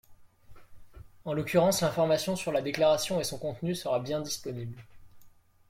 En l’occurrence, l’information sur la déclaration et son contenu sera bien disponible.